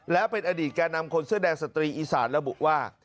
และเป็นอดีตแก่นำคนเสื้อแดงสตรีอีสานระบุว่า